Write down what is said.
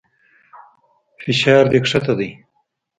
فشار دې کښته دى.